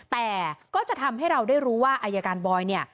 แต่ก็จะทำให้เราได้รู้ว่าอายการบอยเนี่ย